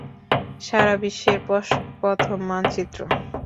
সারাবিশ্বের প্রথম মানচিত্র।